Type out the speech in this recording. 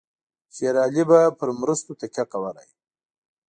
شېر علي به پر مرستو تکیه کولای.